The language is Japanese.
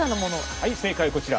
はい正解こちら。